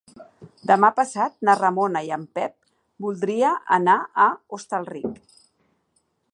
Demà passat na Ramona i en Pep voldria anar a Hostalric.